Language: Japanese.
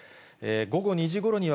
午後２時ごろには、